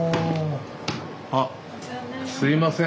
あっすいません